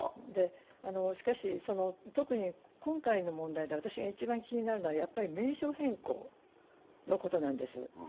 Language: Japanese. しかし、特に今回の問題で私が一番気になるのはやっぱり名称変更のことなんです。